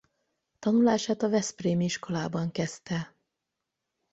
Tanulását a veszprémi iskolában kezdte.